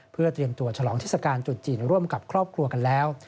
เพื่อเตรียมตัวฉลองเทศกาลจุดจีนร่วมกับครอบครัวกันแล้ว